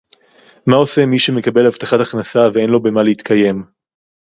מה עושה מי שמקבל הבטחת הכנסה ואין לו במה להתקיים